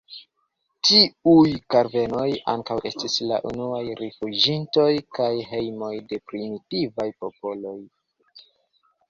Tiuj kavernoj ankaŭ estis la unuaj rifuĝintoj kaj hejmoj de primitivaj popoloj.